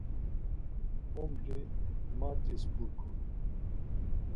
Ombri Mart̆is purkun.